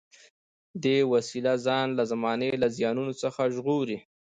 دې وسیله ځان له زمانې له زیانونو څخه ژغوري.